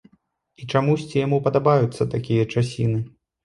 І чамусьці яму падабаюцца такія часіны.